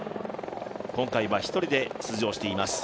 今回は１人で出場しています。